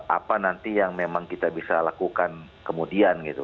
apa nanti yang memang kita bisa lakukan kemudian gitu